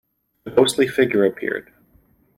A ghostly figure appeared.